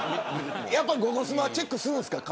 やっぱりゴゴスマはチェックするんですか。